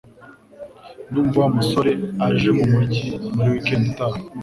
Ndumva Wa musore aje mumujyi muri weekend itaha